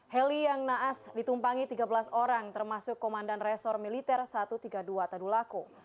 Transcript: heli yang naas ditumpangi tiga belas orang termasuk komandan resor militer satu ratus tiga puluh dua tadulako